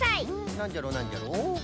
なんじゃろうなんじゃろう？